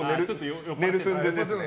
寝る寸前ですね。